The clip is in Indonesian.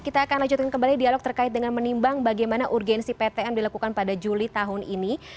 kita akan lanjutkan kembali dialog terkait dengan menimbang bagaimana urgensi ptm dilakukan pada juli tahun ini